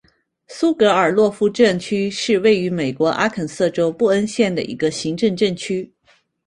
苏格尔洛夫镇区是位于美国阿肯色州布恩县的一个行政镇区。